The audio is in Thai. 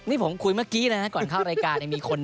นี่ผมคุยเมื่อกี้เลยนะก่อนเข้ารายการมีคน